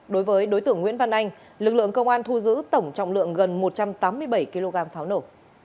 đối với đối tượng nguyễn văn anh lực lượng công an thu giữ tổng trọng lượng gần một trăm tám mươi bảy kg pháo nổ